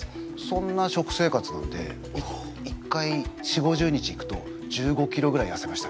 そんな食生活なんで１回４０５０日行くと１５キロぐらいやせましたね。